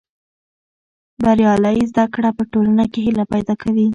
بریالۍ زده کړه په ټولنه کې هیله پیدا کوي.